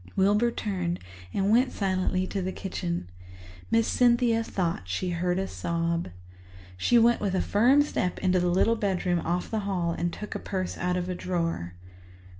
Wilbur turned and went silently to the kitchen. Miss Cynthia thought she heard a sob. She went with a firm step into the little bedroom off the hall and took a purse out of a drawer.